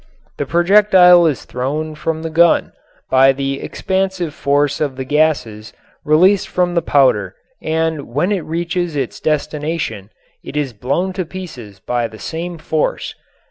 The projectile is thrown from the gun by the expansive force of the gases released from the powder and when it reaches its destination it is blown to pieces by the same force.